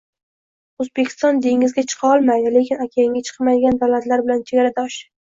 O'zbekiston dengizga chiqa olmaydi, lekin okeanga chiqmaydigan davlatlar bilan chegaradosh